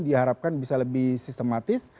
diharapkan bisa lebih sistematis